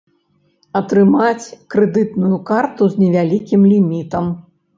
Атрымаць крэдытную карту з невялікім лімітам.